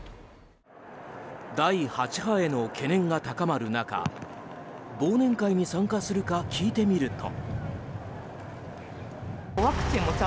第８波への懸念が高まる中忘年会に参加するか聞いてみると。